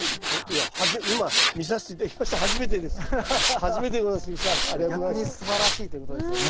逆にすばらしいということですよね。